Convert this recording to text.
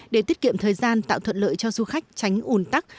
để tiết kiệm thời gian tạo thuận lợi cho du khách tránh ủn tắc